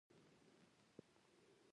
زړه د وینې د دوران مهم مرکز دی.